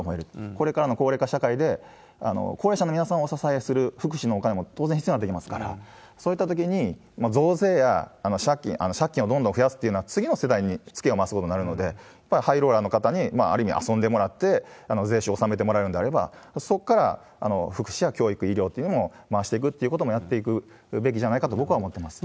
これからの高齢化社会で、高齢者の皆さんをお支えする福祉のお金も当然必要になってきますから、そういったときに、増税や借金をどんどん増やすっていうのは、次の世代につけを回すことになるので、やっぱりの方にある意味遊んでもらって税収を納めてもらえるのであれば、そこから福祉や教育、医療っていうのにも回していくっていうのをやっていくべきじゃないかと、僕は思ってます。